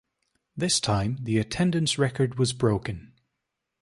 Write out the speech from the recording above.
This time the attendance record was broken.